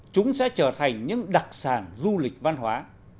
chúng sẽ trở thành những đặc sản du lịch văn hóa